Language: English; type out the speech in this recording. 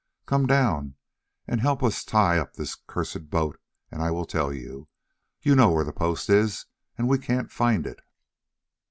"Come down and help us to tie up this cursed boat and I will tell you. You know where the post is, and we can't find it."